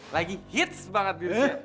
lagi hits banget di rusia